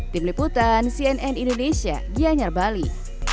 tim liputan cnn indonesia gianyar bali